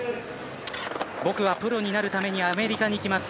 「僕はプロになるためにアメリカに行きます」。